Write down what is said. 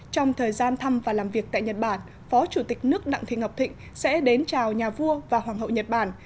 trong thời gian thăm và làm việc tại nhật bản phó chủ tịch nước đặng thị ngọc thịnh sẽ đến chào nhà vua và hoàng hậu nhật bản